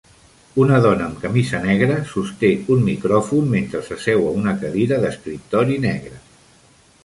Una dona amb camisa negra sosté un micròfon mentre s'asseu a una cadira d'escriptori negra.